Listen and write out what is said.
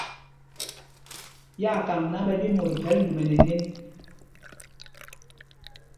Ɓyaa kam náǎ ɓɛ ɓye mot phɛl ndumɛ nɛ nēn.